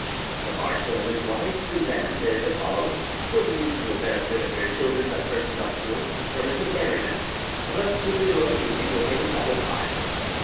The marshal and his wife, Suzanne des Epauies, for the mutual benefit of their children by first nuptials, determined to marry them, thus sealing their own union with a double tie.